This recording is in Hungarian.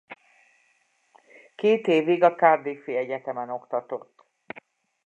Két évig a Cardiffi Egyetemen oktatott.